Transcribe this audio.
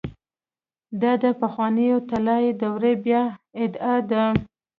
دا د پخوانۍ طلايي دورې بيا اعاده ده.